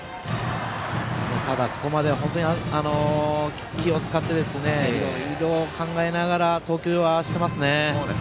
ただ、ここまでは気を使っていろいろ考えながら投球をしていますね。